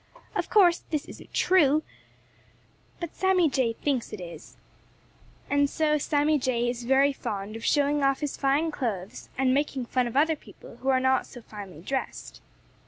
Of course this isn't true, but Sammy Jay thinks it is. And so Sammy Jay is very fond of showing off his fine clothes and making fun of other people who are not so finely dressed.